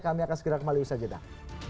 kami akan segera kembali bersajetan